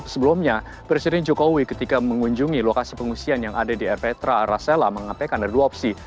sebelumnya presiden jokowi ketika mengunjungi lokasi pengungsian yang ada di erpetra arasela mengapekkan ada dua opsi